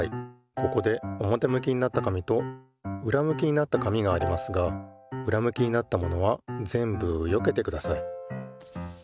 ここでおもてむきになった紙とうらむきになった紙がありますがうらむきになったものはぜんぶよけてください。